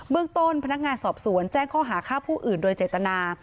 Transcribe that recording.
เรื่องต้นพนักงานสอบสวนแจ้งข้อหาฆ่าผู้อื่นโดยเจตนา